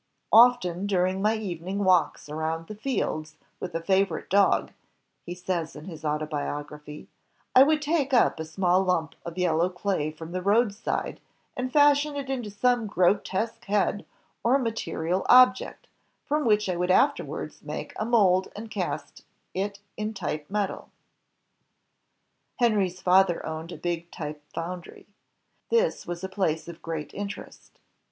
"Often during my evening walks around the fields, with a favorite dog," he says in his autobiography, I would take up a small Imnp of yellow clay from the roadside, and fashion it into some grotesque head or material object, from which I would afterwards make a mold and cast it in type metal." Henry's father owned a big type foundry. This was a place of great interest.